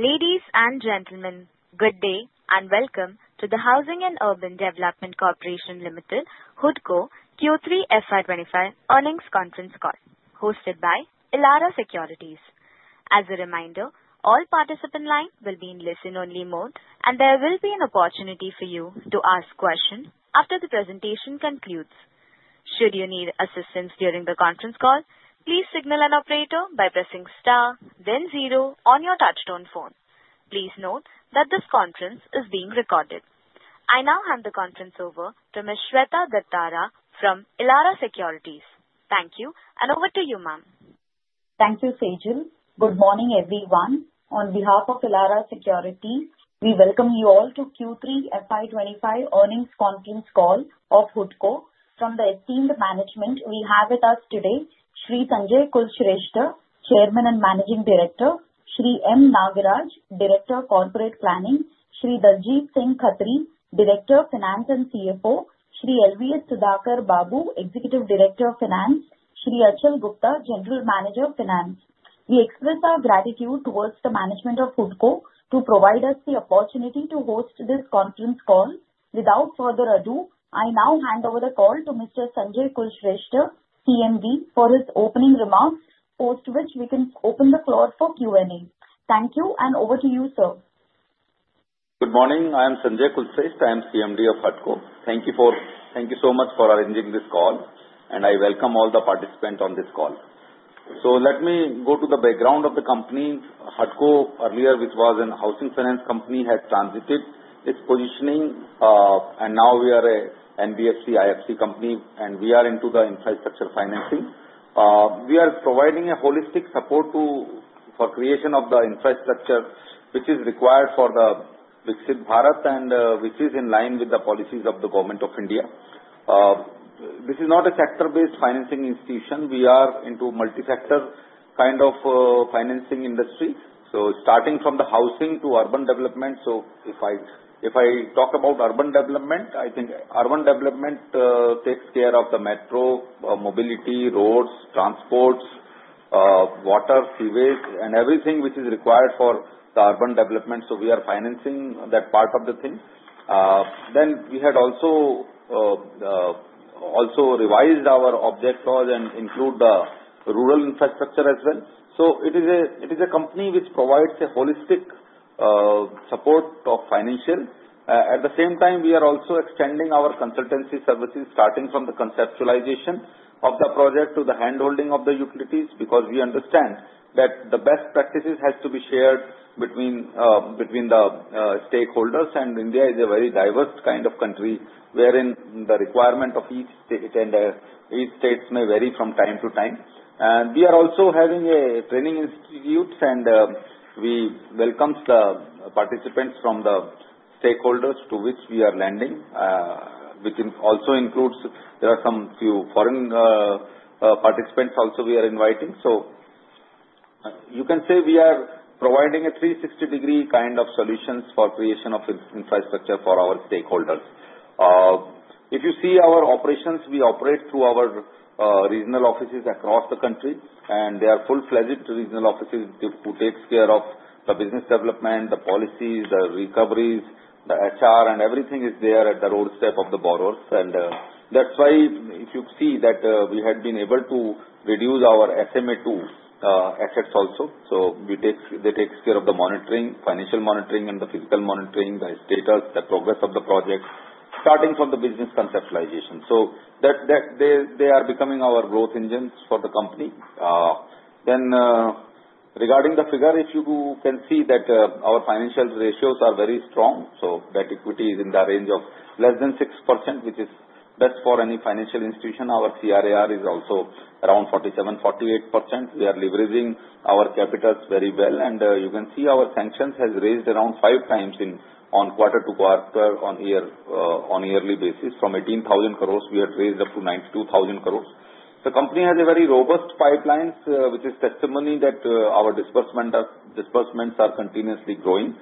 Ladies and gentlemen, good day and welcome to the Housing and Urban Development Corporation Limited, HUDCO Q3 FY25 Earnings Conference Call, hosted by Elara Securities. As a reminder, all participants' lines will be in listen-only mode, and there will be an opportunity for you to ask questions after the presentation concludes. Should you need assistance during the conference call, please signal an operator by pressing star, then zero on your touch-tone phone. Please note that this conference is being recorded. I now hand the conference over to Ms. Shweta Daptardar from Elara Securities. Thank you, and over to you, ma'am. Thank you, Sejal. Good morning, everyone. On behalf of Elara Securities, we welcome you all to Q3 FY25 earnings conference call of HUDCO. From the esteemed management, we have with us today: Sri Sanjay Kulshrestha, Chairman and Managing Director, Sri M. Nagaraj, Director of Corporate Planning, Sri Daljeet Singh Khatri, Director of Finance and CFO, Sri L.V.S. Sudhakar Babu, Executive Director of Finance, and Sri Achal Gupta, General Manager of Finance. We express our gratitude towards the management of HUDCO to provide us the opportunity to host this conference call. Without further ado, I now hand over the call to Mr. Sanjay Kulshrestha, CMD, for his opening remarks, post which we can open the floor for Q&A. Thank you, and over to you, sir. Good morning. I am Sanjay Kulshrestha. I am CMD of HUDCO. Thank you so much for arranging this call, and I welcome all the participants on this call. Let me go to the background of the company. HUDCO, earlier, which was a housing finance company, had transited its positioning, and now we are an NBFC-IFC company, and we are into the infrastructure financing. We are providing a holistic support for creation of the infrastructure which is required for the Viksit Bharat, and which is in line with the policies of the Government of India. This is not a sector-based financing institution. We are into multi-sector kind of financing industry. Starting from the housing to urban development, if I talk about urban development, I think urban development takes care of the metro, mobility, roads, transports, water, seaways, and everything which is required for the urban development. We are financing that part of the thing. We had also revised our object clause and included the rural infrastructure as well. It is a company which provides a holistic support of financial. At the same time, we are also extending our consultancy services, starting from the conceptualization of the project to the handholding of the utilities, because we understand that the best practices have to be shared between the stakeholders. India is a very diverse kind of country, wherein the requirement of each state may vary from time to time. We are also having training institutes, and we welcome the participants from the stakeholders to which we are lending, which also includes there are some few foreign participants also we are inviting. You can say we are providing a 360-degree kind of solutions for creation of infrastructure for our stakeholders. If you see our operations, we operate through our regional offices across the country, and they are full-fledged regional offices who take care of the business development, the policies, the recoveries, the HR, and everything is there at the doorstep of the borrowers. And that's why if you see that we had been able to reduce our SMA-2 assets also. So they take care of the monitoring, financial monitoring, and the physical monitoring, the status, the progress of the project, starting from the business conceptualization. So they are becoming our growth engines for the company. Then regarding the figure, if you can see that our financial ratios are very strong. So that equity is in the range of less than 6%, which is best for any financial institution. Our CRAR is also around 47%-48%. We are leveraging our capitals very well, and you can see our sanctions have raised around five times on quarter to quarter on yearly basis. From 18,000 crores, we had raised up to 92,000 crores. The company has a very robust pipeline, which is testimony that our disbursements are continuously growing.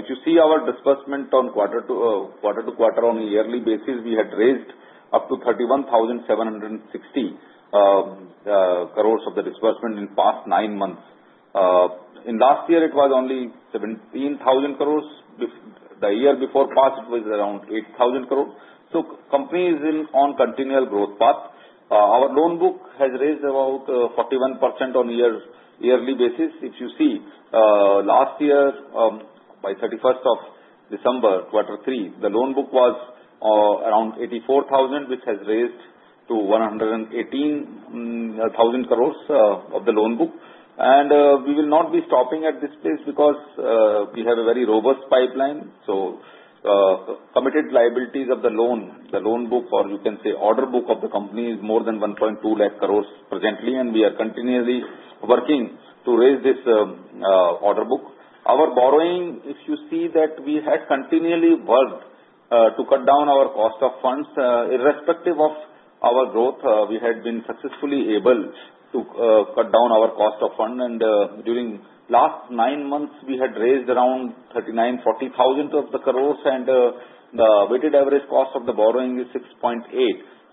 If you see our disbursement on quarter to quarter on yearly basis, we had raised up to 31,760 crores of the disbursement in the past nine months. In last year, it was only 17,000 crores. The year before passed, it was around 8,000 crores. So the company is on a continual growth path. Our loan book has raised about 41% on yearly basis. If you see, last year, by 31st of December, quarter three, the loan book was around 84,000, which has raised to 118,000 crores of the loan book. And we will not be stopping at this place because we have a very robust pipeline. So committed liabilities of the loan, the loan book, or you can say order book of the company is more than 1.2 lakh crores presently, and we are continually working to raise this order book. Our borrowing, if you see that we had continually worked to cut down our cost of funds, irrespective of our growth, we had been successfully able to cut down our cost of funds. And during the last nine months, we had raised around 39,000-40,000 crores, and the weighted average cost of the borrowing is 6.8.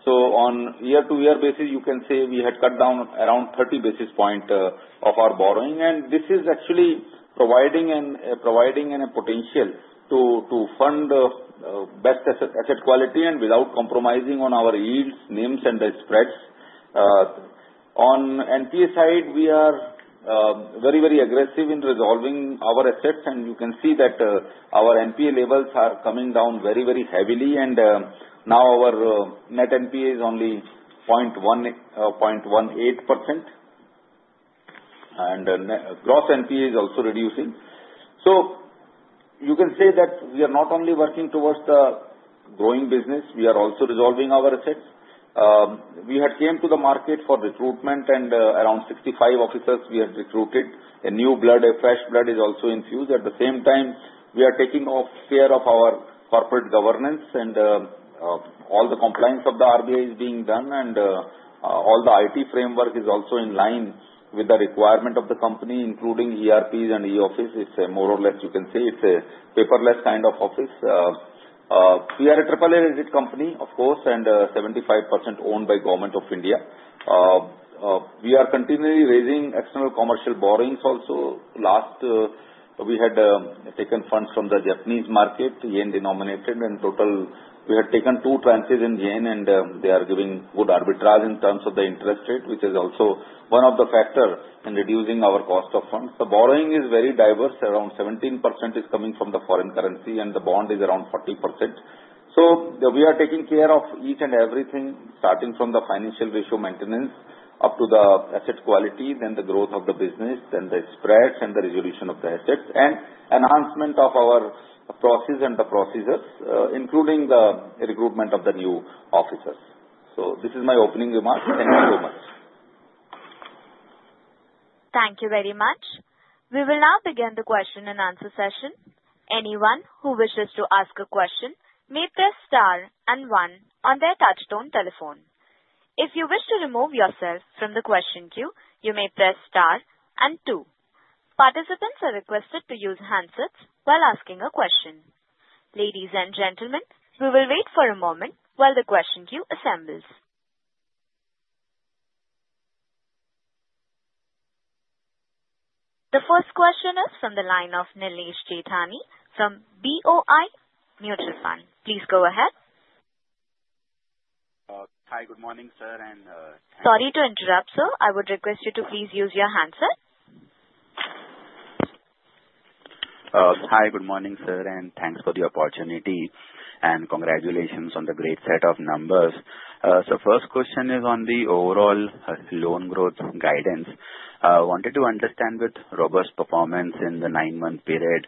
So on year-to-year basis, you can say we had cut down around 30 basis points of our borrowing. And this is actually providing a potential to fund the best asset quality and without compromising on our yields, NIMs, and the spreads. On NPA side, we are very, very aggressive in resolving our assets, and you can see that our NPA levels are coming down very, very heavily, and now our net NPA is only 0.18%, and gross NPA is also reducing, so you can say that we are not only working towards the growing business, we are also resolving our assets. We had come to the market for recruitment, and around 65 officers we had recruited. A new blood, a fresh blood is also infused. At the same time, we are taking care of our corporate governance, and all the compliance of the RBI is being done, and all the IT framework is also in line with the requirement of the company, including ERPs and e-Office. It's more or less, you can say it's a paperless kind of office. We are a AAA rated company, of course, and 75% owned by the Government of India. We are continually raising external commercial borrowings also. Last, we had taken funds from the Japanese market, yen-denominated, and total we had taken two tranches in yen, and they are giving good arbitrage in terms of the interest rate, which is also one of the factors in reducing our cost of funds. The borrowing is very diverse. Around 17% is coming from the foreign currency, and the bond is around 40%. So we are taking care of each and everything, starting from the financial ratio maintenance up to the asset quality, then the growth of the business, then the spreads, and the resolution of the assets, and enhancement of our processes and the procedures, including the recruitment of the new officers. So this is my opening remarks. Thank you so much. Thank you very much. We will now begin the question and answer session. Anyone who wishes to ask a question may press star and one on their touch-tone telephone. If you wish to remove yourself from the question queue, you may press star and two. Participants are requested to use handsets while asking a question. Ladies and gentlemen, we will wait for a moment while the question queue assembles. The first question is from the line of Nilesh Jethani from BOI Mutual Fund. Please go ahead. Hi, good morning, sir, and thanks for. Sorry to interrupt, sir. I would request you to please use your handset. Hi, good morning, sir, and thanks for the opportunity. And congratulations on the great set of numbers. So first question is on the overall loan growth guidance. I wanted to understand with robust performance in the nine-month period,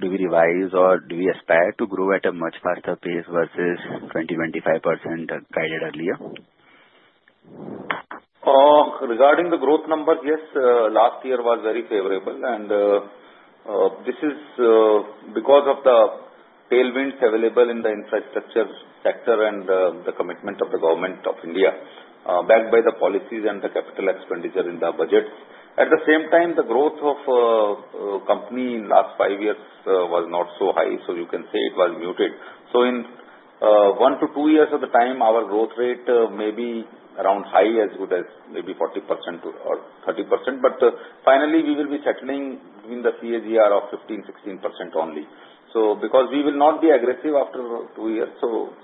do we revise or do we aspire to grow at a much faster pace versus 20%-25% guided earlier? Regarding the growth numbers, yes, last year was very favorable, and this is because of the tailwinds available in the infrastructure sector and the commitment of the Government of India, backed by the policies and the capital expenditure in the budget. At the same time, the growth of the company in the last five years was not so high, so you can say it was muted. So in one to two years of the time, our growth rate may be around high, as good as maybe 40% or 30%, but finally, we will be settling with the CAGR of 15%-16% only. So because we will not be aggressive after two years, so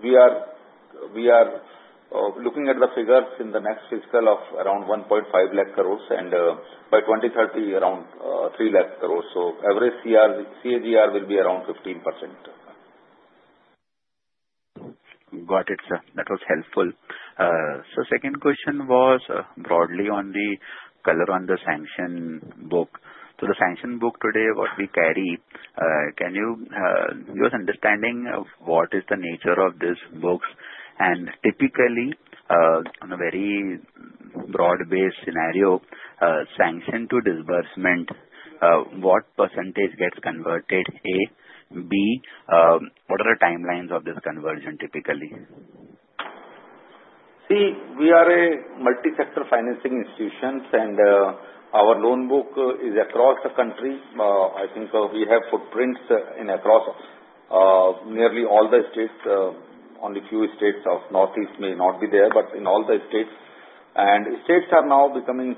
we are looking at the figures in the next fiscal of around 1.5 lakh crores, and by 2030, around 3 lakh crores. So average CAGR will be around 15%. Got it, sir. That was helpful. So the second question was broadly on the color on the sanction book. So the sanction book today, what we carry, can you give us understanding of what is the nature of this books? And typically, on a very broad-based scenario, sanction to disbursement, what percentage gets converted? A, B, what are the timelines of this conversion typically? See, we are a multi-sector financing institution, and our loan book is across the country. I think we have footprints across nearly all the states. Only a few states of Northeast may not be there, but in all the states, and states are now becoming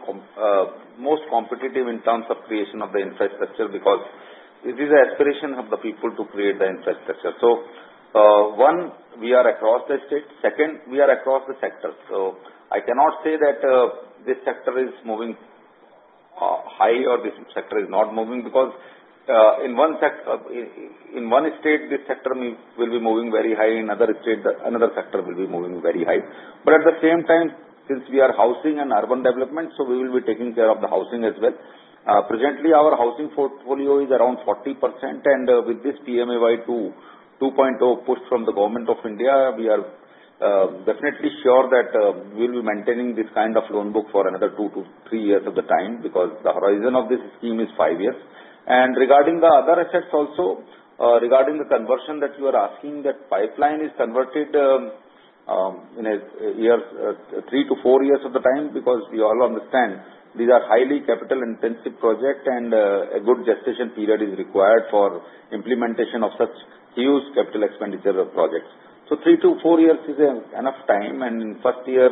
most competitive in terms of creation of the infrastructure because it is the aspiration of the people to create the infrastructure, so one, we are across the state. Second, we are across the sector, so I cannot say that this sector is moving high or this sector is not moving because in one state, this sector will be moving very high. In another state, another sector will be moving very high, but at the same time, since we are housing and urban development, so we will be taking care of the housing as well. Presently, our housing portfolio is around 40%, and with this PMAY-U 2.0 push from the Government of India, we are definitely sure that we will be maintaining this kind of loan book for another two to three years of the time because the horizon of this scheme is five years, and regarding the other assets also, regarding the conversion that you are asking, that pipeline is converted in three to four years of the time because we all understand these are highly capital-intensive projects, and a good gestation period is required for implementation of such huge capital expenditure projects, so three to four years is enough time, and in the first year,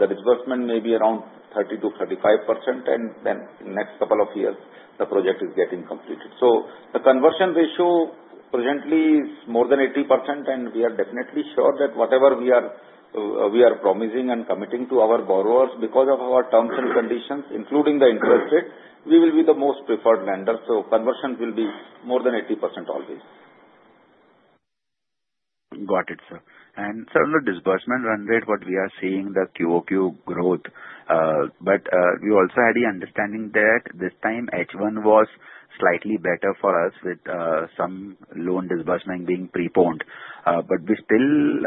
the disbursement may be around 30%-35%, and then in the next couple of years, the project is getting completed. So the conversion ratio presently is more than 80%, and we are definitely sure that whatever we are promising and committing to our borrowers, because of our terms and conditions, including the interest rate, we will be the most preferred lender. So conversion will be more than 80% always. Got it, sir. And sir, on the disbursement run rate, what we are seeing, the QoQ growth, but we also had the understanding that this time H1 was slightly better for us with some loan disbursement being preponed. But we still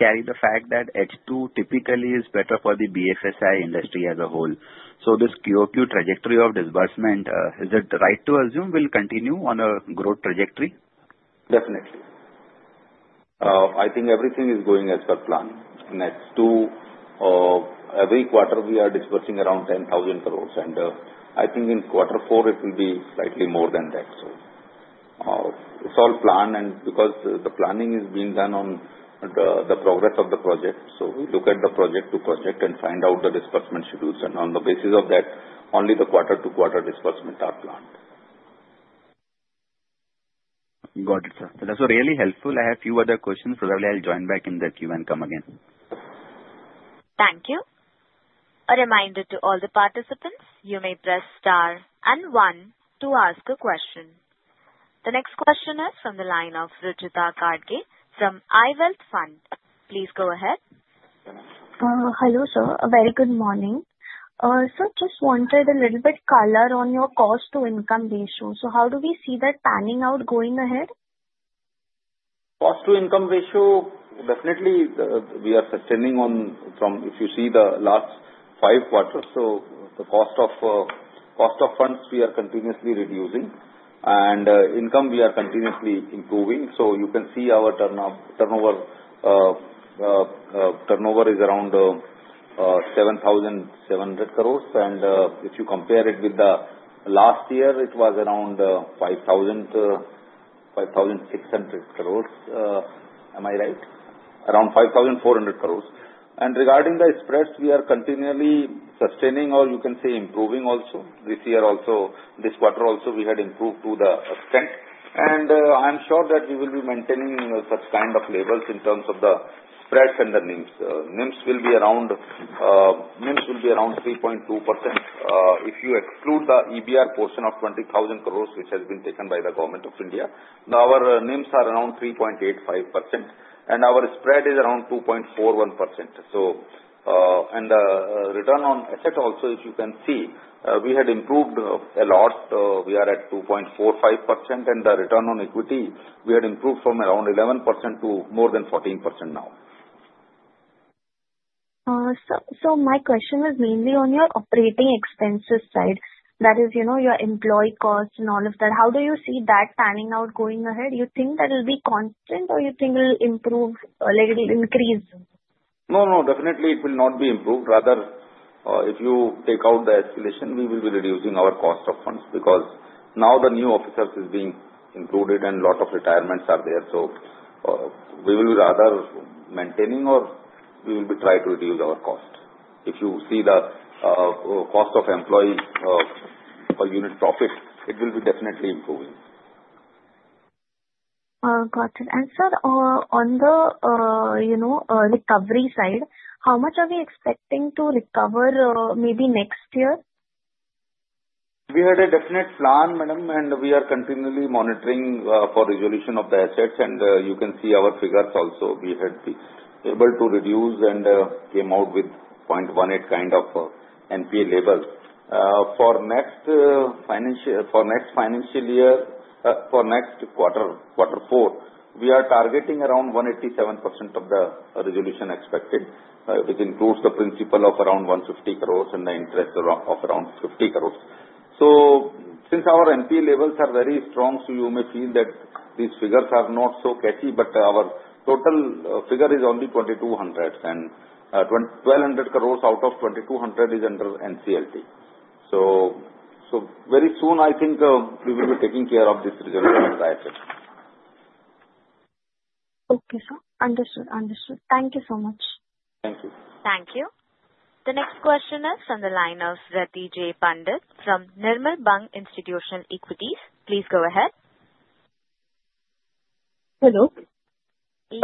carry the fact that H2 typically is better for the BFSI industry as a whole. So this QoQ trajectory of disbursement, is it right to assume we'll continue on a growth trajectory? Definitely. I think everything is going as per plan. In H2, every quarter, we are disbursing around 10,000 crores, and I think in quarter four, it will be slightly more than that. So it's all planned, and because the planning is being done on the progress of the project, so we look at the project to project and find out the disbursement schedules, and on the basis of that, only the quarter to quarter disbursements are planned. Got it, sir. So that's really helpful. I have a few other questions. Probably I'll join back in the Q and come again. Thank you. A reminder to all the participants, you may press star and one to ask a question. The next question is from the line of Rucheeta Kadge from iWealth Fund. Please go ahead. Hello, sir. A very good morning. Sir, just wanted a little bit color on your cost-to-income ratio. So how do we see that panning out going ahead? Cost-to-income ratio, definitely we are sustaining on, if you see the last five quarters, so the cost of funds, we are continuously reducing, and income, we are continuously improving, so you can see our turnover, turnover is around 7,700 crores, and if you compare it with the last year, it was around 5,600 crores. Am I right? Around 5,400 crores, and regarding the spreads, we are continually sustaining or you can say improving also. This year also, this quarter also, we had improved to the extent, and I'm sure that we will be maintaining such kind of levels in terms of the spreads and the NIMS. NIMS will be around 3.2%. If you exclude the EBR portion of 20,000 crores, which has been taken by the Government of India, our NIMS are around 3.85%, and our spread is around 2.41%. The return on assets also, if you can see, we had improved a lot. We are at 2.45%, and the return on equity, we had improved from around 11% to more than 14% now. So my question was mainly on your operating expenses side. That is, your employee costs and all of that. How do you see that panning out going ahead? You think that it will be constant, or you think it will improve, like it will increase? No, no. Definitely, it will not be improved. Rather, if you take out the escalation, we will be reducing our cost of funds because now the new officers are being included, and a lot of retirements are there. So we will be rather maintaining, or we will try to reduce our cost. If you see the cost of employee per unit profit, it will be definitely improving. Got it. And sir, on the recovery side, how much are we expecting to recover maybe next year? We had a definite plan, madam, and we are continually monitoring for resolution of the assets, and you can see our figures also. We had been able to reduce and came out with 0.18 kind of NPA level. For next financial year, for next quarter, quarter four, we are targeting around 187% of the resolution expected, which includes the principal of around 150 crores and the interest of around 50 crores. So since our NPA levels are very strong, so you may feel that these figures are not so catchy, but our total figure is only 2,200, and 1,200 crores out of 2,200 is under NCLT. So very soon, I think we will be taking care of this resolution of the assets. Okay, sir. Understood. Thank you so much. Thank you. Thank you. The next question is from the line of Ratijay Pandit from Nirmal Bang Institutional Equities. Please go ahead. Hello. Yes,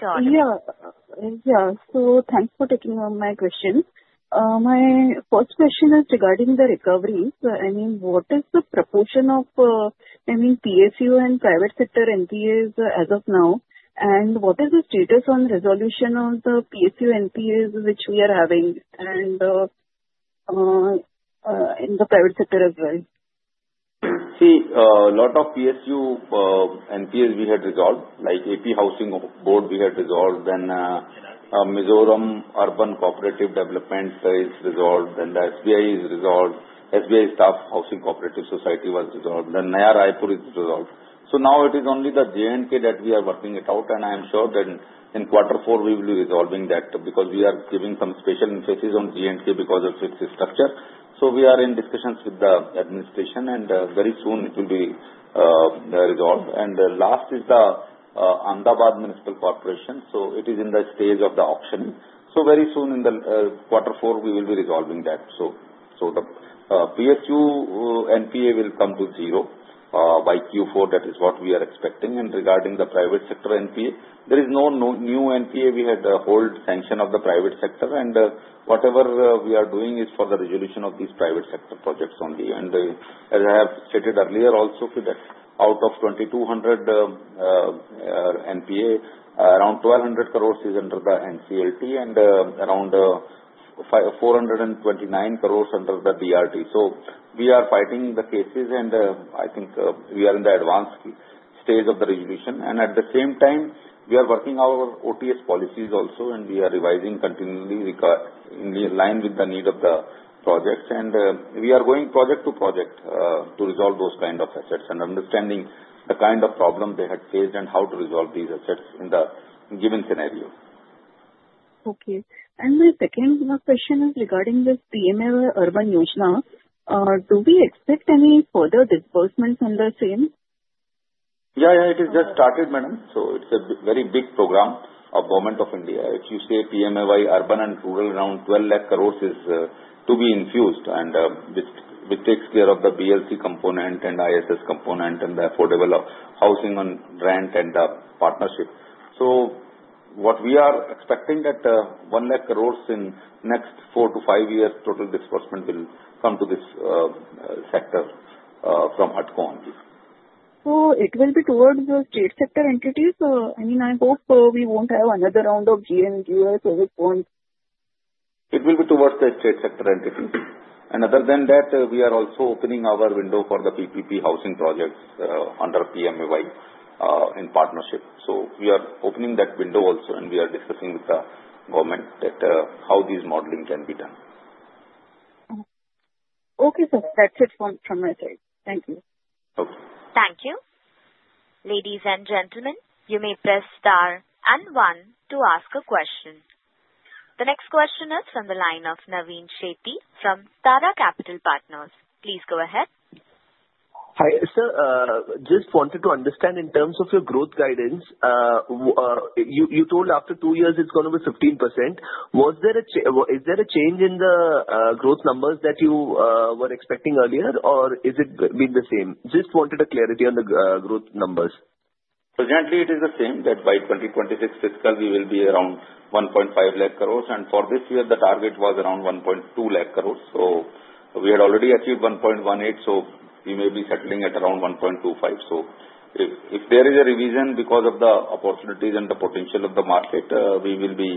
you're on. Yeah. Yeah. So thanks for taking my question. My first question is regarding the recovery. I mean, what is the proportion of PSU and private sector NPAs as of now, and what is the status on resolution of the PSU NPAs which we are having in the private sector as well? See, a lot of PSU NPAs we had resolved, like AP Housing Board we had resolved, then Mizoram Urban Co-operative Development is resolved, then the SBI is resolved. SBI Staff Housing Co-operative Society was resolved, then Naya Raipur is resolved. So now it is only the J&K that we are working it out, and I am sure that in quarter four, we will be resolving that because we are giving some special emphasis on J&K because of its structure. So we are in discussions with the administration, and very soon, it will be resolved. And last is the Ahmedabad Municipal Corporation. So it is in the stage of the auction. So very soon, in the quarter four, we will be resolving that. So the PSU NPA will come to zero by Q4. That is what we are expecting. And regarding the private sector NPA, there is no new NPA. We had a whole sanction of the private sector, and whatever we are doing is for the resolution of these private sector projects only. And as I have stated earlier also, out of 2,200 NPA, around 1,200 crores is under the NCLT and around 429 crores under the DRT. So we are fighting the cases, and I think we are in the advanced stage of the resolution. And at the same time, we are working our OTS policies also, and we are revising continually in line with the need of the projects. And we are going project to project to resolve those kind of assets, understanding the kind of problem they had faced and how to resolve these assets in the given scenario. Okay. And my second question is regarding this PMAY-Urban Yojana. Do we expect any further disbursements on the same? Yeah, yeah. It has just started, madam. So it's a very big program of Government of India. If you say PMAY-Urban and Rural, around 12 lakh crores is to be infused, and it takes care of the BLC component and ISS component and the affordable housing and rent and the partnership. So what we are expecting that 1 lakh crores in the next four to five years, total disbursement will come to this sector from HUDCO. So it will be towards the state sector entities? I mean, I hope we won't have another round of J&K as well. It will be towards the state sector entities. And other than that, we are also opening our window for the PPP housing projects under PMAY in partnership. So we are opening that window also, and we are discussing with the government how this modeling can be done. Okay, sir. That's it from my side. Thank you. Okay. Thank you. Ladies and gentlemen, you may press star and one to ask a question. The next question is from the line of Navin Shetty from Tara Capital Partners. Please go ahead. Hi, sir. Just wanted to understand in terms of your growth guidance. You told after two years, it's going to be 15%. Is there a change in the growth numbers that you were expecting earlier, or has it been the same? Just wanted clarity on the growth numbers. Presently, it is the same that by 2026 fiscal, we will be around 1.5 lakh crores, and for this year, the target was around 1.2 lakh crores. So we had already achieved 1.18, so we may be settling at around 1.25. So if there is a revision because of the opportunities and the potential of the market, we will be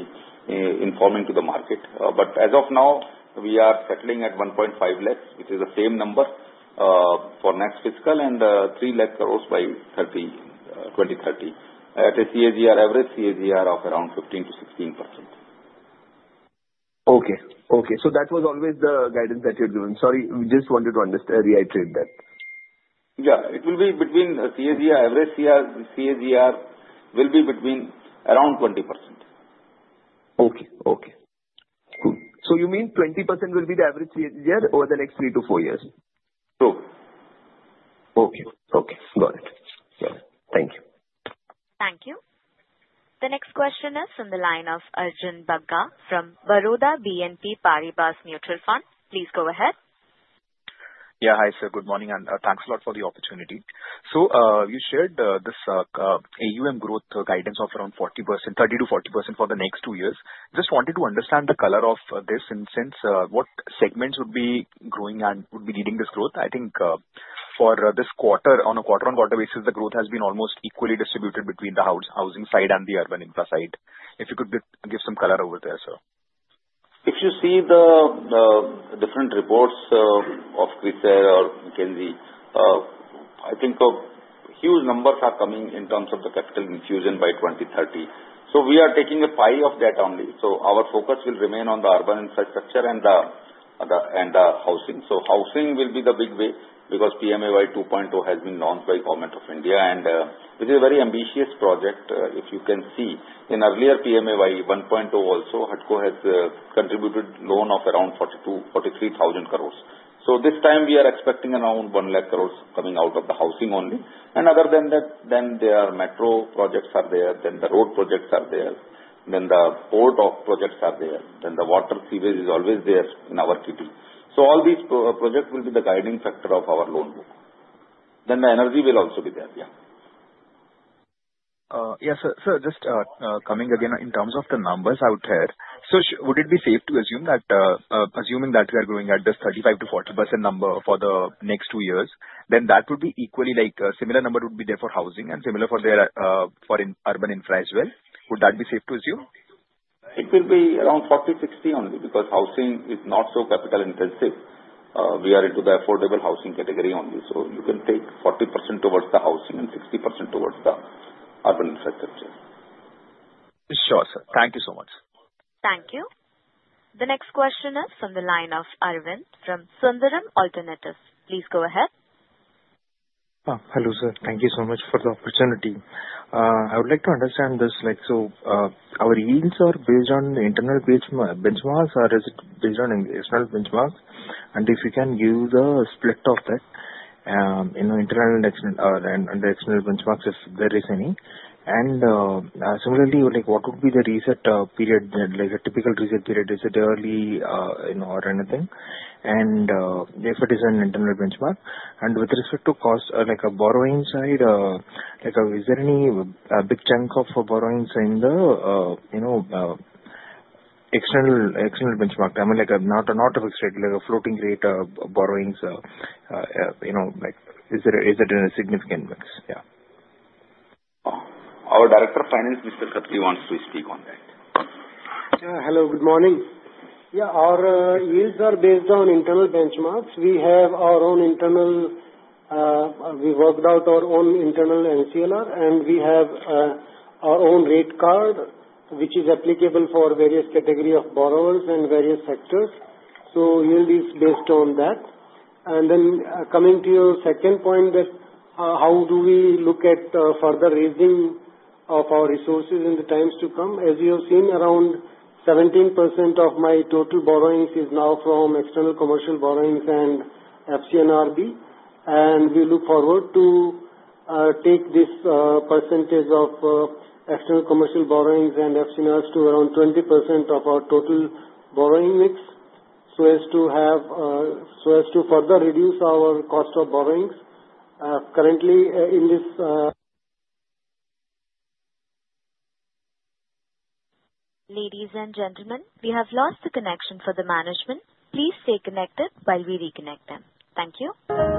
informing to the market. But as of now, we are settling at 1.5 lakh, which is the same number for next fiscal and 3 lakh crores by 2030. At a CAGR average, CAGR of around 15%-16%. Okay. So that was always the guidance that you had given. Sorry, we just wanted to understand, reiterate that. Yeah. It will be between CAGR average. CAGR will be between around 20%. Okay. So you mean 20% will be the average CAGR over the next three to four years? True. Okay. Okay. Got it. Got it. Thank you. Thank you. The next question is from the line of Arjun Bagga from Baroda BNP Paribas Mutual Fund. Please go ahead. Yeah. Hi, sir. Good morning, and thanks a lot for the opportunity. So you shared this AUM growth guidance of around 30%-40% for the next two years. Just wanted to understand the color of this and since what segments would be growing and would be needing this growth. I think for this quarter, on a quarter-on-quarter basis, the growth has been almost equally distributed between the housing side and the urban infra side. If you could give some color over there, sir. If you see the different reports of CRISIL or McKinsey, I think huge numbers are coming in terms of the capital infusion by 2030. So we are taking a pie of that only. So our focus will remain on the urban infrastructure and the housing. So housing will be the big way because PMAY 2.0 has been launched by Government of India, and it is a very ambitious project. If you can see, in earlier PMAY 1.0 also, HUDCO has contributed a loan of around 43,000 crores. So this time, we are expecting around 1 lakh crores coming out of the housing only. And other than that, then there are metro projects that are there, then the road projects are there, then the port projects are there, then the water sewage is always there in our kitty. So all these projects will be the guiding factor of our loan book. Then the energy will also be there. Yeah. Yeah, sir. Sir, just coming again in terms of the numbers out here, so would it be safe to assume that assuming that we are growing at this 35%-40% number for the next two years, then that would be equally like a similar number would be there for housing and similar for the urban infra as well? Would that be safe to assume? It will be around 40%-60% only because housing is not so capital-intensive. We are into the affordable housing category only. So you can take 40% towards the housing and 60% towards the urban infrastructure. Sure, sir. Thank you so much. Thank you. The next question is from the line of Arvind from Sundaram Alternates. Please go ahead. Hello, sir. Thank you so much for the opportunity. I would like to understand this. So our yields are based on the internal benchmarks or is it based on external benchmarks? And if you can give the split of that, internal and external benchmarks, if there is any. And similarly, what would be the reset period, like a typical reset period? Is it early or anything? And if it is an internal benchmark. And with respect to cost, like a borrowing side, is there any big chunk of borrowings in the external benchmark? I mean, not of extra, like a floating rate of borrowings. Is it in a significant mix? Yeah. Our Director of Finance, Mr. Khatri, wants to speak on that. Hello. Good morning. Yeah. Our yields are based on internal benchmarks. We have our own internal. We worked out our own internal MCLR, and we have our own rate card, which is applicable for various categories of borrowers and various sectors. So yield is based on that. And then coming to your second point, how do we look at further raising of our resources in the times to come? As you have seen, around 17% of my total borrowings is now from external commercial borrowings and FCNR B. And we look forward to take this percentage of external commercial borrowings and FCNRs to around 20% of our total borrowing mix so as to further reduce our cost of borrowings. Currently, in this. Ladies and gentlemen, we have lost the connection for the management. Please stay connected while we reconnect them. Thank you.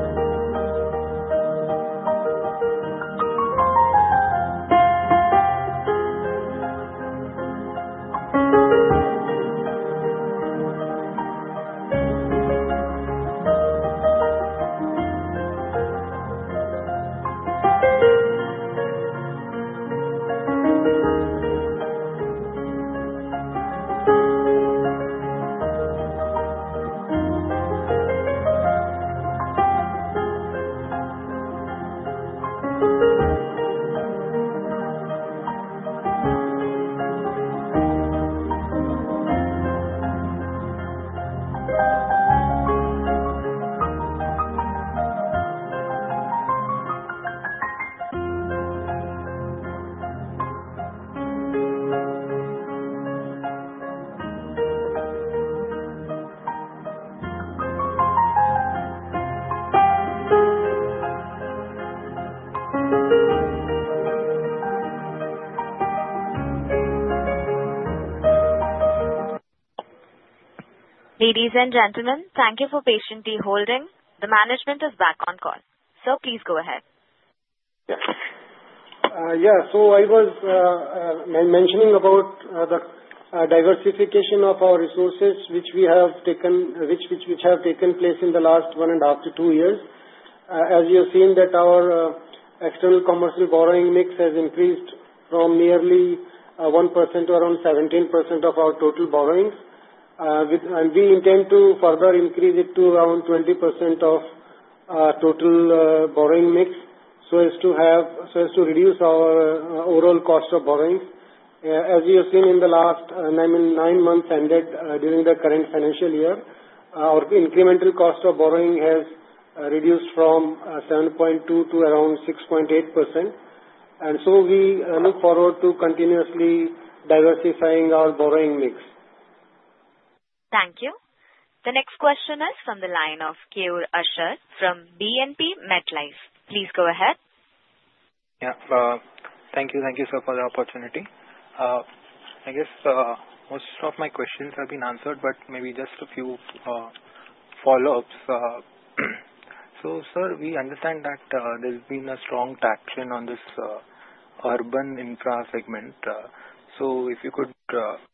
Ladies and gentlemen, thank you for patiently holding. The management is back on call. Sir, please go ahead. Yeah. Yeah. So I was mentioning about the diversification of our resources, which have taken place in the last one and a half to two years. As you have seen, our external commercial borrowing mix has increased from nearly 1% to around 17% of our total borrowings. And we intend to further increase it to around 20% of total borrowing mix so as to reduce our overall cost of borrowings. As you have seen in the last nine months and during the current financial year, our incremental cost of borrowing has reduced from 7.2% to around 6.8%. And so we look forward to continuously diversifying our borrowing mix. Thank you. The next question is from the line of Keyur Asher from PNB MetLife. Please go ahead. Yeah. Thank you. Thank you, sir, for the opportunity. I guess most of my questions have been answered, but maybe just a few follow-ups. So, sir, we understand that there's been a strong traction on this urban infra segment. So if you could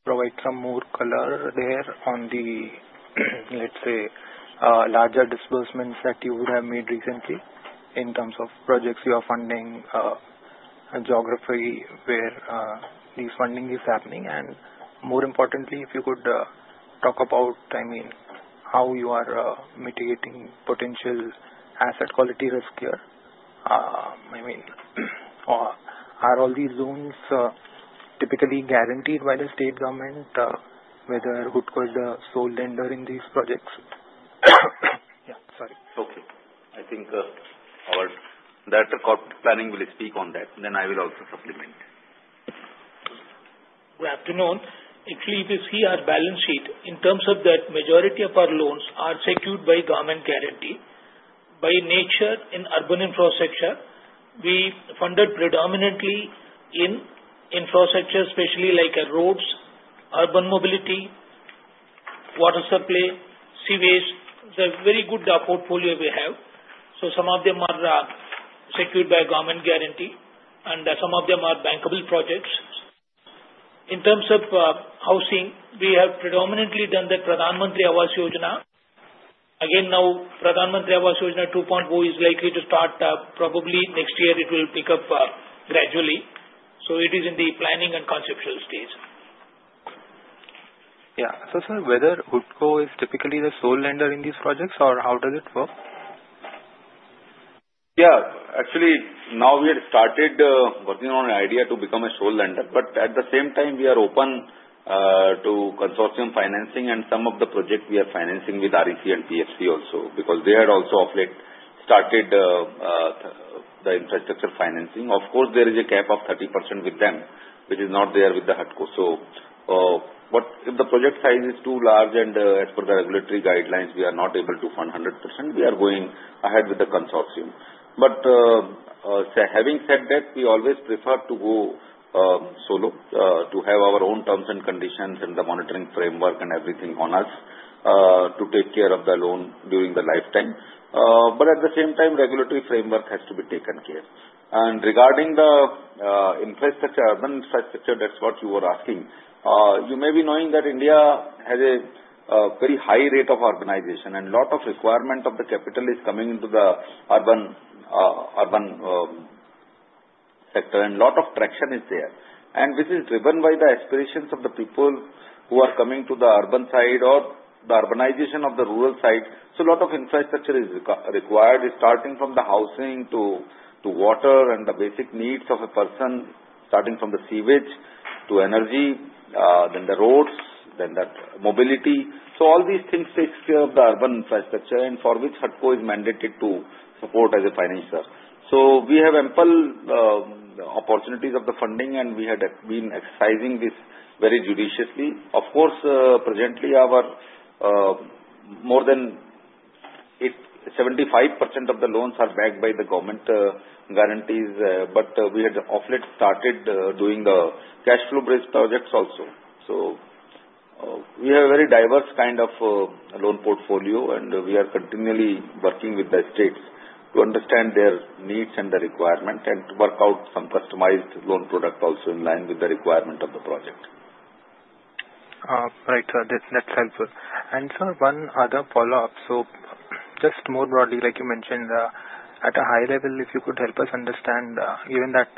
provide some more color there on the, let's say, larger disbursements that you would have made recently in terms of projects you are funding, geography where this funding is happening. And more importantly, if you could talk about, I mean, how you are mitigating potential asset quality risk here. I mean, are all these loans typically guaranteed by the state government, whether HUDCO is the sole lender in these projects? Yeah. Sorry. Okay. I think that our Director of Corporate Planning will speak on that. Then I will also supplement. Good afternoon. Actually, if you see our balance sheet, in terms of that, majority of our loans are secured by government guarantee. By nature in urban infrastructure, we funded predominantly in infrastructure, especially like roads, urban mobility, water supply, sewage. It's a very good portfolio we have. So some of them are secured by government guarantee, and some of them are bankable projects. In terms of housing, we have predominantly done the Pradhan Mantri Awas Yojana. Again, now, Pradhan Mantri Awas Yojana 2.0 is likely to start probably next year. It will pick up gradually. So it is in the planning and conceptual stage. Yeah, so, sir, whether HUDCO is typically the sole lender in these projects, or how does it work? Yeah. Actually, now we have started working on an idea to become a sole lender, but at the same time, we are open to consortium financing, and some of the projects we are financing with REC and PFC also because they had also started the infrastructure financing. Of course, there is a cap of 30% with them, which is not there with the NBFCs, so if the project size is too large and as per the regulatory guidelines, we are not able to fund 100%, we are going ahead with the consortium, but having said that, we always prefer to go solo, to have our own terms and conditions and the monitoring framework and everything on us to take care of the loan during the lifetime, but at the same time, regulatory framework has to be taken care, and regarding the infrastructure, urban infrastructure, that's what you were asking. You may be knowing that India has a very high rate of urbanization, and a lot of requirement of the capital is coming into the urban sector, and a lot of traction is there. And this is driven by the aspirations of the people who are coming to the urban side or the urbanization of the rural side. So a lot of infrastructure is required, starting from the housing to water and the basic needs of a person, starting from the sewage to energy, then the roads, then the mobility. So all these things take care of the urban infrastructure, and for which HUDCO is mandated to support as a financier. So we have ample opportunities of the funding, and we had been exercising this very judiciously. Of course, presently, more than 75% of the loans are backed by the government guarantees. But we had of late started doing the cash flow-based projects also. So we have a very diverse kind of loan portfolio, and we are continually working with the states to understand their needs and the requirement and to work out some customized loan product also in line with the requirement of the project. Right. That's helpful. And, sir, one other follow-up. So just more broadly, like you mentioned, at a high level, if you could help us understand, given that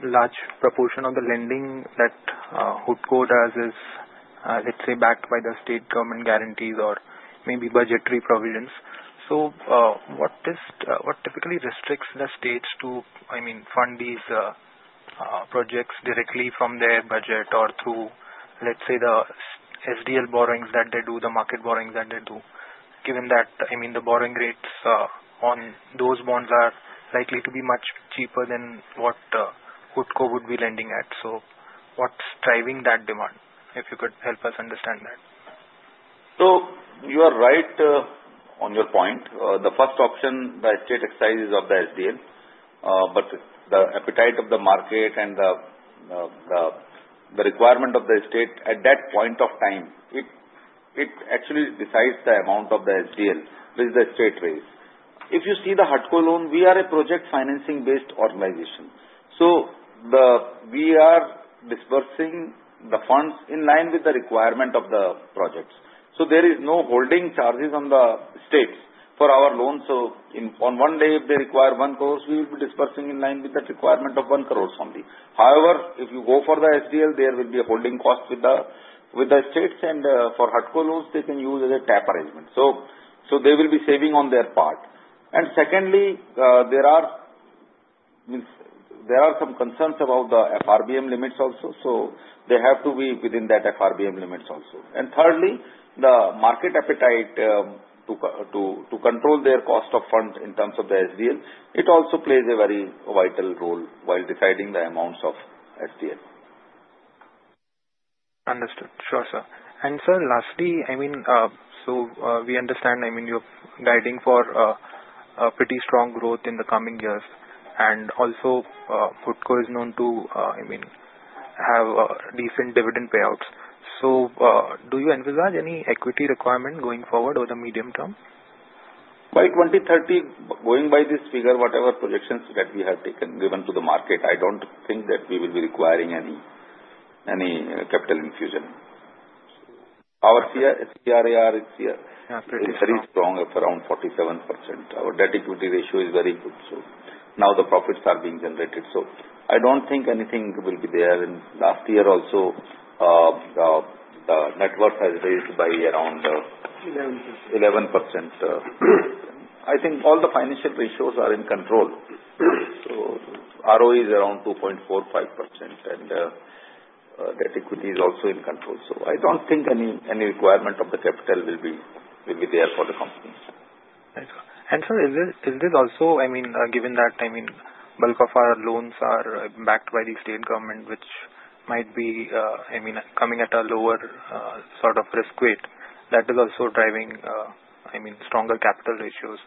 large proportion of the lending that HUDCO does is, let's say, backed by the state government guarantees or maybe budgetary provisions. So what typically restricts the states to, I mean, fund these projects directly from their budget or through, let's say, the SDL borrowings that they do, the market borrowings that they do, given that, I mean, the borrowing rates on those bonds are likely to be much cheaper than what HUDCO would be lending at? So what's driving that demand, if you could help us understand that? So you are right on your point. The first option, the state issues of the SDL. But the appetite of the market and the requirement of the state at that point of time, it actually decides the amount of the SDL, which the state raises. If you see the HUDCO loan, we are a project financing-based organization. So we are disbursing the funds in line with the requirement of the projects. So there is no holding charges on the states for our loans. So on one day, if they require 1 crore, we will be disbursing in line with the requirement of 1 crore only. However, if you go for the SDL, there will be a holding cost with the states. And for HUDCO loans, they can use as a tap arrangement. So they will be saving on their part. And secondly, there are some concerns about the FRBM limits also. So they have to be within that FRBM limits also. And thirdly, the market appetite to control their cost of fund in terms of the SDL, it also plays a very vital role while deciding the amounts of SDL. Understood. Sure, sir. And, sir, lastly, I mean, so we understand, I mean, you're guiding for pretty strong growth in the coming years. And also, HUDCO is known to, I mean, have decent dividend payouts. So do you envisage any equity requirement going forward or the medium term? By 2030, going by this figure, whatever projections that we have taken given to the market, I don't think that we will be requiring any capital infusion. Our CRAR is very strong at around 47%. Our debt-equity ratio is very good, so now the profits are being generated. I don't think anything will be there, and last year also, the net worth has raised by around 11%. I think all the financial ratios are in control, so ROE is around 2.45%, and debt-equity is also in control. I don't think any requirement of the capital will be there for the company. Right. And, sir, is this also, I mean, given that, I mean, bulk of our loans are backed by the state government, which might be, I mean, coming at a lower sort of risk weight, that is also driving, I mean, stronger capital ratios.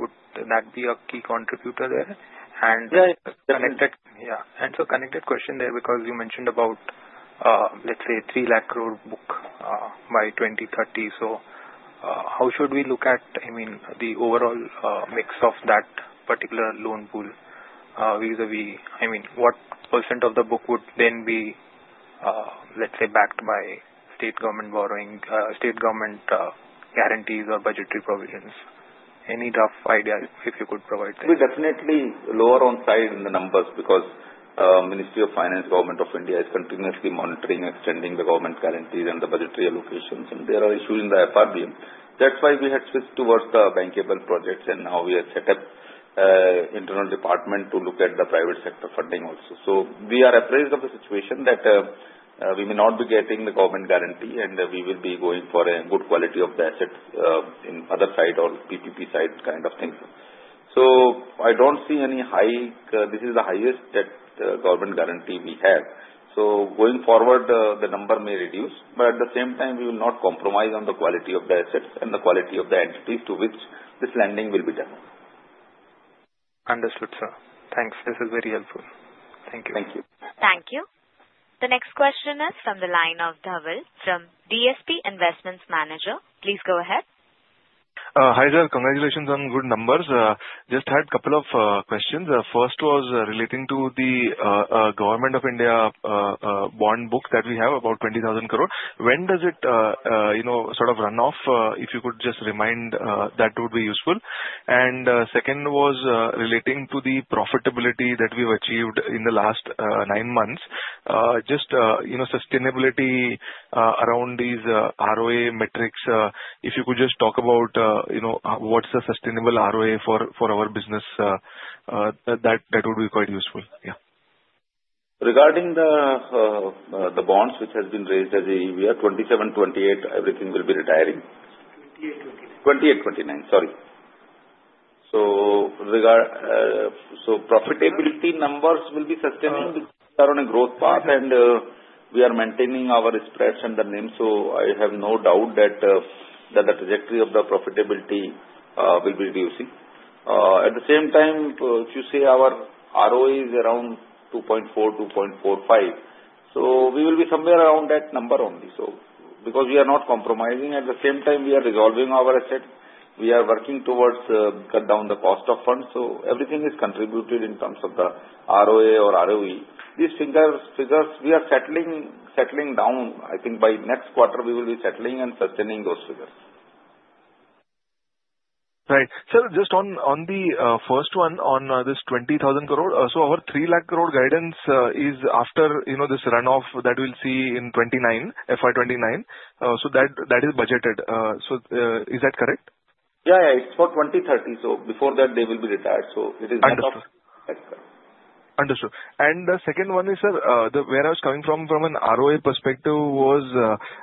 Would that be a key contributor there? And. Yeah. Yeah. And, sir, connected question there because you mentioned about, let's say, 3 lakh crore book by 2030. So how should we look at, I mean, the overall mix of that particular loan pool vis-à-vis? I mean, what % of the book would then be, let's say, backed by state government borrowing, state government guarantees or budgetary provisions? Any rough idea if you could provide that? We're definitely lower on side in the numbers because the Ministry of Finance, Government of India is continuously monitoring, extending the government guarantees and the budgetary allocations, and there are issues in the FRBM. That's why we had switched towards the bankable projects, and now we have set up an internal department to look at the private sector funding also, so we are apprised of the situation that we may not be getting the government guarantee, and we will be going for a good quality of the assets in other side or PPP side kind of things, so I don't see any high. This is the highest government guarantee we have, so going forward, the number may reduce, but at the same time, we will not compromise on the quality of the assets and the quality of the entities to which this lending will be done. Understood, sir. Thanks. This is very helpful. Thank you. Thank you. Thank you. The next question is from the line of Dhawal from DSP Investment Managers. Please go ahead. Hi there. Congratulations on good numbers. Just had a couple of questions. First was relating to the Government of India bond book that we have about 20,000 crore. When does it sort of run off? If you could just remind, that would be useful. And second was relating to the profitability that we have achieved in the last nine months. Just sustainability around these ROA metrics, if you could just talk about what's the sustainable ROA for our business, that would be quite useful. Yeah. Regarding the bonds which have been raised as an EBR, 2027, 2028, everything will be retiring. 2028, 2029. 2028, 2029. Sorry. So profitability numbers will be sustaining because we are on a growth path, and we are maintaining our spreads and the NIM. So I have no doubt that the trajectory of the profitability will be reducing. At the same time, if you see our ROA is around 2.4-2.45. So we will be somewhere around that number only. So because we are not compromising, at the same time, we are resolving our asset. We are working towards cutting down the cost of funds. So everything is contributed in terms of the ROA or ROE. These figures, we are settling down. I think by next quarter, we will be settling and sustaining those figures. Right. Sir, just on the first one on this 20,000 crore, so our 3 lakh crore guidance is after this run-off that we'll see in 2029, FY 2029. So that is budgeted. So is that correct? Yeah. Yeah. It's for 2030. So before that, they will be retired. So it is not. Understood. Excellent. Understood. And the second one is, sir, where I was coming from, from an ROA perspective was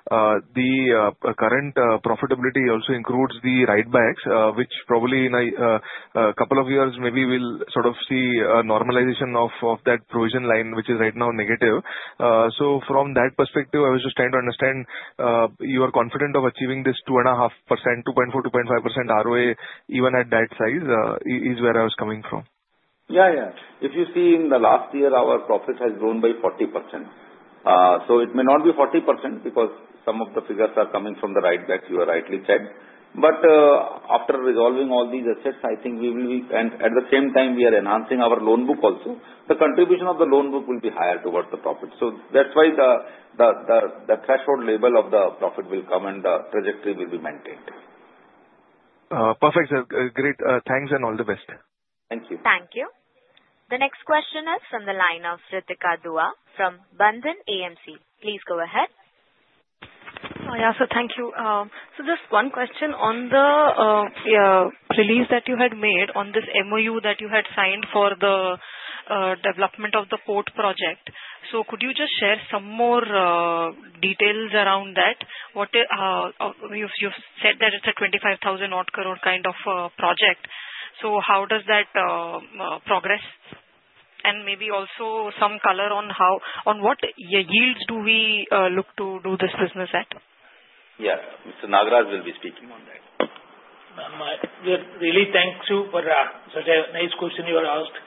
the current profitability also includes the write-backs, which probably in a couple of years, maybe we'll sort of see a normalization of that provision line, which is right now negative. So from that perspective, I was just trying to understand, you are confident of achieving this 2.5%, 2.4%-2.5% ROA even at that size is where I was coming from. Yeah. Yeah. If you see in the last year, our profit has grown by 40%. So it may not be 40% because some of the figures are coming from the write-back, as you rightly said. But after resolving all these assets, I think we will be, and at the same time, we are enhancing our loan book also. The contribution of the loan book will be higher towards the profit. So that's why the threshold level of the profit will come and the trajectory will be maintained. Perfect, sir. Great. Thanks and all the best. Thank you. Thank you. The next question is from the line of Ritika Dua from Bandhan AMC. Please go ahead. Hi, Achal. Thank you. So just one question on the release that you had made on this MOU that you had signed for the development of the port project. So could you just share some more details around that? You've said that it's a 25,000-odd crore kind of project. So how does that progress? And maybe also some color on what yields do we look to do this business at? Yeah. Mr. Nagaraj will be speaking on that. Really, thanks too for such a nice question you have asked.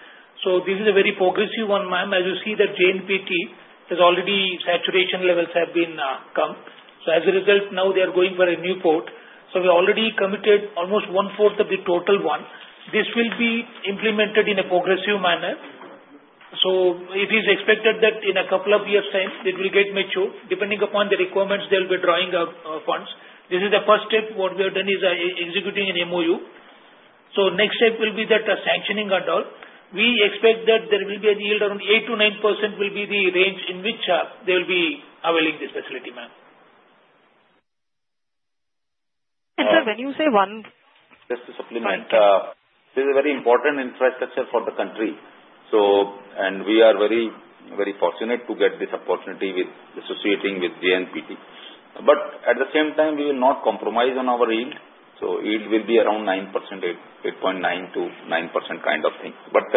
So this is a very progressive one, ma'am. As you see that JNPT, there's already saturation levels have been come. So as a result, now they are going for a new port. So we already committed almost one-fourth of the total one. This will be implemented in a progressive manner. So it is expected that in a couple of years' time, it will get matured. Depending upon the requirements, they'll be drawing out funds. This is the first step. What we have done is executing an MOU. So next step will be that sanctioning and all. We expect that there will be a yield around 8%-9% will be the range in which they will be availing this facility, ma'am. Sir, when you say one. Just to supplement, this is a very important infrastructure for the country. We are very fortunate to get this opportunity with associating with JNPT. But at the same time, we will not compromise on our yield. Yield will be around 9%, 8.9%-9% kind of thing. But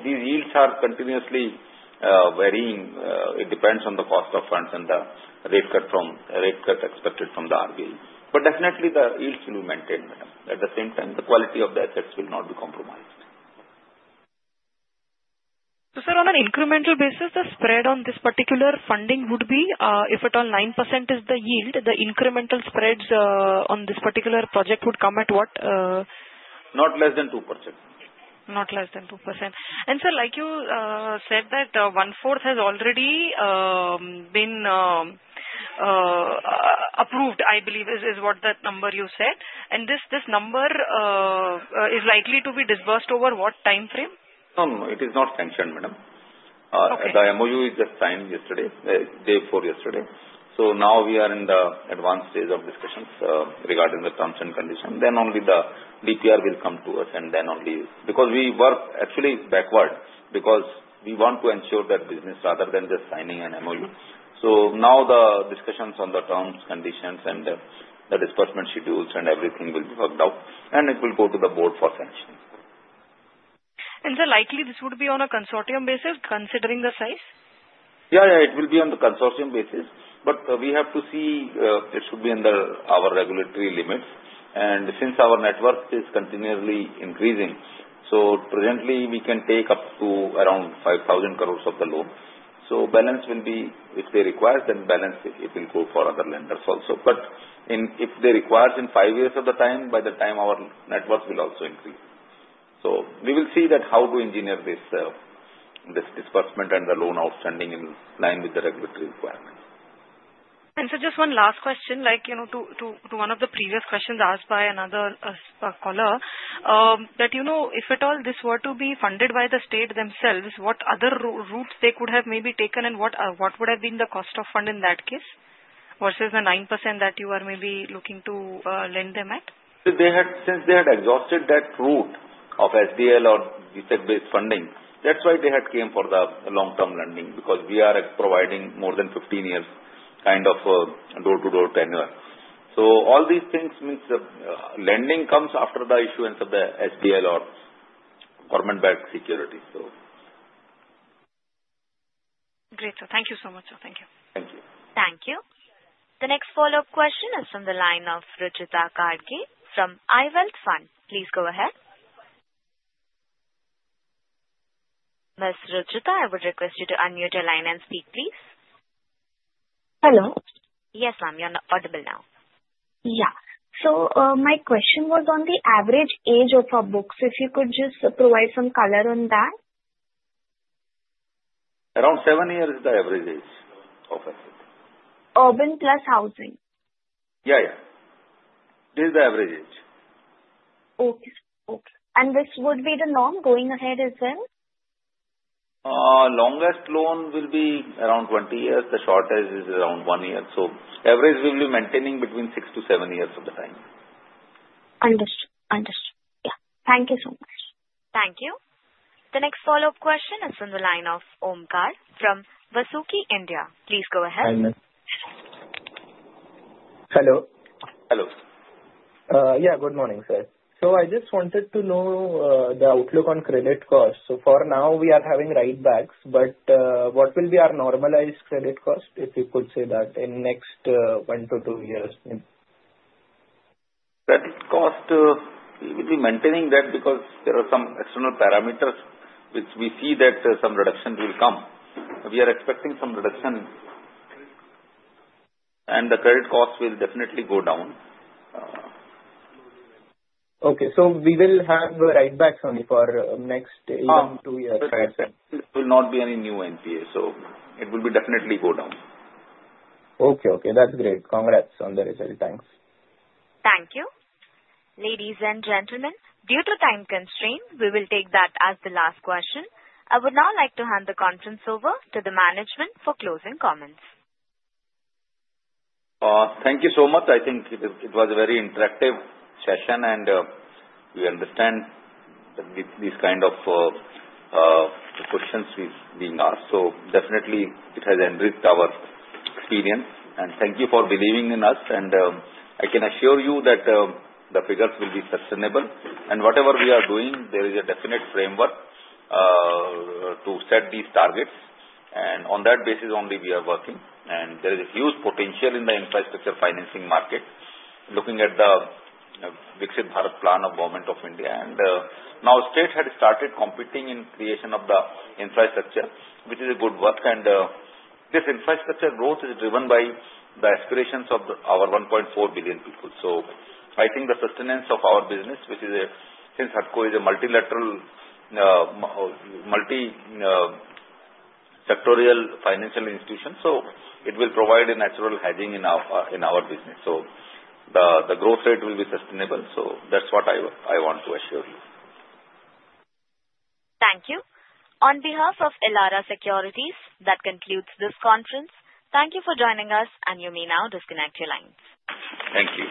these yields are continuously varying. It depends on the cost of funds and the rate cut expected from the RBI. But definitely, the yields will be maintained, ma'am. At the same time, the quality of the assets will not be compromised. So sir, on an incremental basis, the spread on this particular funding would be, if at all, 9% is the yield, the incremental spreads on this particular project would come at what? Not less than 2%. Not less than 2%. And sir, like you said, that one-fourth has already been approved, I believe, is what that number you said. And this number is likely to be disbursed over what time frame? No, no, no. It is not sanctioned, ma'am. The MOU is just signed yesterday, day before yesterday. So now we are in the advanced stage of discussions regarding the terms and conditions. Then only the DPR will come to us, and then only because we work actually backward because we want to ensure that business rather than just signing an MOU. So now the discussions on the terms, conditions, and the disbursement schedules and everything will be worked out. And it will go to the board for sanctioning. Sir, likely this would be on a consortium basis considering the size? It will be on the consortium basis, but we have to see it should be under our regulatory limits. Since our net worth is continuously increasing, so presently, we can take up to around 5,000 crores of the loan. The balance will be, if they require, then balance it will go for other lenders also. If they require in five years of the time, by the time our net worth will also increase. We will see that how to engineer this disbursement and the loan outstanding in line with the regulatory requirements. And, sir, just one last question to one of the previous questions asked by another caller, that if at all this were to be funded by the state themselves, what other routes they could have maybe taken and what would have been the cost of fund in that case versus the 9% that you are maybe looking to lend them at? Since they had exhausted that route of SDL or debt-based funding, that's why they had come for the long-term lending because we are providing more than 15 years kind of door-to-door tenure. So all these things means the lending comes after the issuance of the SDL or government-backed securities, so. Great. So thank you so much, sir. Thank you. Thank you. Thank you. The next follow-up question is from the line of Rucheeta Kadge from iWealth Fund. Please go ahead. Ms. Rujitha, I would request you to unmute your line and speak, please. Hello. Yes, ma'am. You're audible now. Yeah, so my question was on the average age of our books. If you could just provide some color on that. Around seven years is the average age of everything. Urban plus housing. Yeah. Yeah. This is the average age. Okay. And this would be the loan going ahead as well? Longest loan will be around 20 years. The shortest is around one year. So average we will be maintaining between six to seven years of the time. Understood. Understood. Yeah. Thank you so much. Thank you. The next follow-up question is from the line of Omkar from Vasuki India. Please go ahead. Hi, ma'am. Hello. Hello. Yeah. Good morning, sir. So I just wanted to know the outlook on credit costs. So for now, we are having write-backs, but what will be our normalized credit cost if you could say that in next one to two years? Credit cost, we will be maintaining that because there are some external parameters which we see that some reduction will come. We are expecting some reduction, and the credit cost will definitely go down. Okay, so we will have write backs only for next even two years. It will not be any new NPA. So it will definitely go down. Okay. Okay. That's great. Congrats on the result. Thanks. Thank you. Ladies and gentlemen, due to time constraints, we will take that as the last question. I would now like to hand the conference over to the management for closing comments. Thank you so much. I think it was a very interactive session, and we understand these kind of questions being asked. So definitely, it has enriched our experience, and thank you for believing in us. I can assure you that the figures will be sustainable. Whatever we are doing, there is a definite framework to set these targets. On that basis only, we are working. There is a huge potential in the infrastructure financing market, looking at the Viksit Bharat Plan of Government of India. Now, states have started competing in creation of the infrastructure, which is a good work. This infrastructure growth is driven by the aspirations of our 1.4 billion people, so I think the sustenance of our business, which is since HUDCO is a multilateral, multi-sectoral financial institution, will provide a natural hedging in our business. So the growth rate will be sustainable. So that's what I want to assure you. Thank you. On behalf of Elara Securities, that concludes this conference. Thank you for joining us, and you may now disconnect your lines. Thank you.